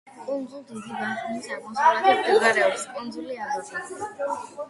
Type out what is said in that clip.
კუნძულ დიდი ბაჰამის აღმოსავლეთით მდებარეობს კუნძული აბაკო.